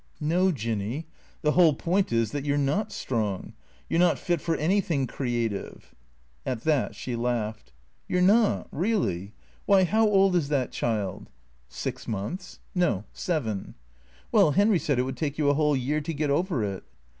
" No, Jinny, the whole point is that you 're not strong. You 're not fit for anything creative." At that she laughed. " You 're not, really. WTiy, how old is that child ?"" Six months. No — seven." " Well, Henry said it would take you a whole year to get over it."